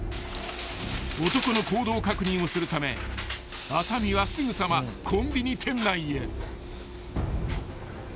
［男の行動確認をするため浅見はすぐさまコンビニ店内へ］